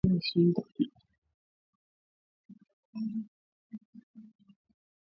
Benki hiyo kwa sasa inafanya utafiti wa awali kufahamu kuruhusiwa ama la